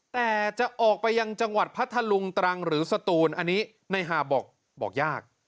แต่จะออกไปยังจังหวัดพัทธลุงตรังหรือสตูนอันนี้ในหาบบอกยาก